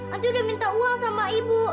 nanti udah minta uang sama ibu